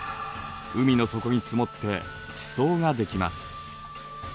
海の底に積もって地層ができます。